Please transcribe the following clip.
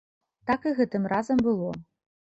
Так і гэтым разам было.